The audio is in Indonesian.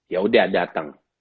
ya sudah datang